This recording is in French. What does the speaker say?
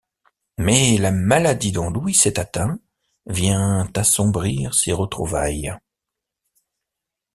Mais la maladie dont Luis est atteint vient assombrir ces retrouvailles.